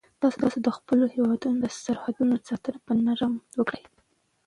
تاسو د خپل هیواد د سرحدونو ساتنه په نره وکړئ.